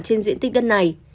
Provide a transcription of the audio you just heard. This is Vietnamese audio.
trên diện tích đất này